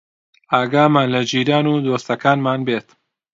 ئاگامان لە جیران و دۆستەکانمان بێت